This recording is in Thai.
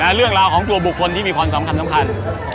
เรื่องราวของตัวบุคคลที่มีความสำคัญ